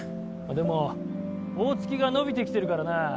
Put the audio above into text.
でも大月が伸びてきてるからな